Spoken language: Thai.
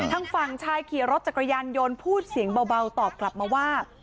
ทางฝั่งชายขี่รถจักรยานยนต์พูดเสียงเบาตอบกลับมาว่า